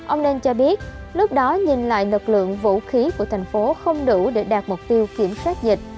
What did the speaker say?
ông lên cho biết lúc đó nhìn lại lực lượng vũ khí của thành phố không đủ để đạt mục tiêu kiểm soát dịch